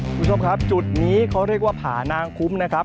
คุณผู้ชมครับจุดนี้เขาเรียกว่าผานางคุ้มนะครับ